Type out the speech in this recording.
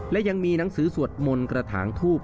และยังมีหนังสือสวดมนต์กระถางทูบ